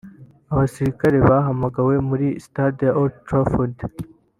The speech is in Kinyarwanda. Abasirikare bahamagawe muri stade ya Old Trafford